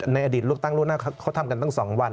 ในอดีตเลือกตั้งล่วงหน้าเขาทำกันตั้ง๒วัน